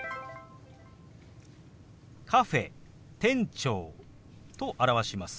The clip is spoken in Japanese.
「カフェ」「店長」と表します。